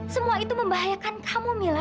semua itu membahayakan kamu mila